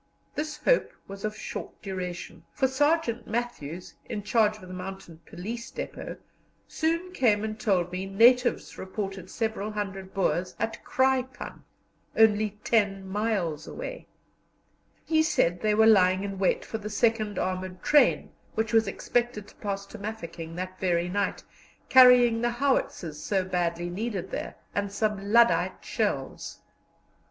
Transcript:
This hope was of short duration, for Sergeant Matthews, in charge of the Mounted Police depôt, soon came and told me natives reported several hundred Boers at Kraipann, only ten miles away. He said they were lying in wait for the second armoured train, which was expected to pass to Mafeking that very night, carrying the howitzers so badly needed there, and some lyddite shells.